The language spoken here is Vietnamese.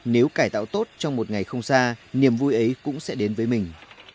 nếu cải tạo tốt trong một ngày không xa niềm vui ấy cũng sẽ đến với mình